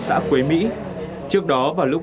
xã quế mỹ trước đó vào lúc